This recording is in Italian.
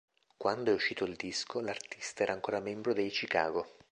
Quando è uscito il disco, l'artista era ancora membro dei Chicago.